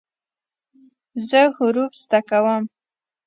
زه حروف زده کوم.